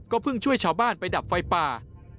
เพิ่งช่วยชาวบ้านไปดับไฟป่า